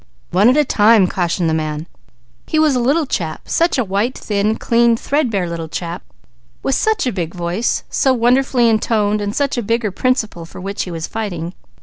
"One at a time," cautioned the man. "He was a little chap, a white, clean, threadbare little chap, with such a big voice, so wonderfully intoned, and such a bigger principle, for which he was fighting.